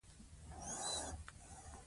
پیسې د لاس خیرې دي.